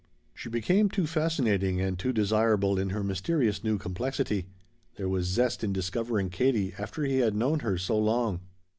She became too fascinating and too desirable in her mysterious new complexity. There was zest in discovering Katie after he had known her so long.